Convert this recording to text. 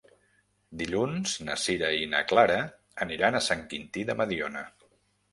Dilluns na Sira i na Clara aniran a Sant Quintí de Mediona.